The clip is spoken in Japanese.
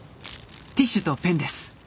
ティッシュとペンです。